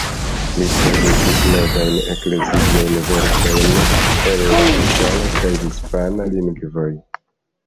Li tradukis novajn ekleziajn verkojn el la itala kaj hispana lingvoj.